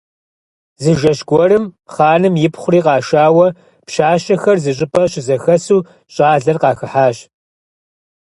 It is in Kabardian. Зы жэщ гуэрым хъаным ипхъури къашауэ пщащэхэр зыщӀыпӀэ щызэхэсу щӀалэр къахыхьащ.